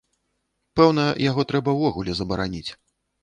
Пэўна, яго трэба ўвогуле забараніць.